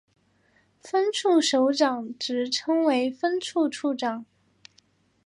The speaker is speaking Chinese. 分处首长职称为分处处长。